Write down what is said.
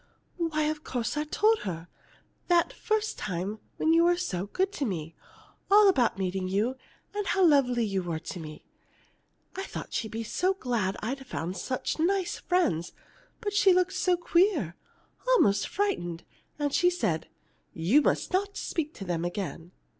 "Why, of course I told her that first time after you were so good to me all about meeting you, and how lovely you were to me. I thought she'd be so glad I'd found such nice friends. But she looked so queer almost frightened, and she said: 'You must not speak to them again.